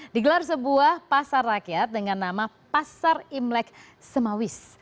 digelar sebuah pasar rakyat dengan nama pasar imlek semawis